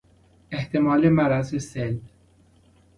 احتمال مرض سل